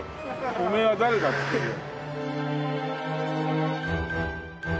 お前は誰だっつってるよ。